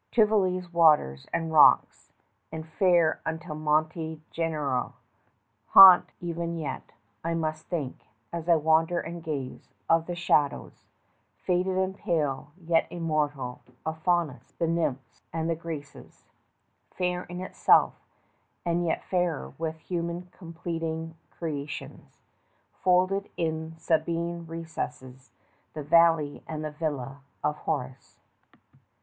10 Tivoli's waters and rocks; and fair unto Monte Gennaro, (Haunt even yet, I must think, as I wander and gaze, of the shadows, Faded and pale, yet immortal, of Faunus, the Nymphs, and the Graces,) Fair in itself, and yet fairer with human completing creations, Folded in Sabine recesses the valley and villa of Horace.